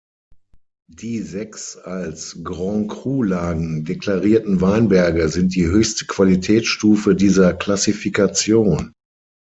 Die sechs als Grand-Cru-Lagen deklarierten Weinberge sind die höchste Qualitätsstufe dieser Klassifikation.